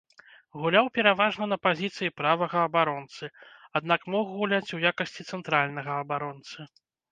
Гуляў пераважна на пазіцыі правага абаронцы, аднак мог гуляць у якасці цэнтральнага абаронцы.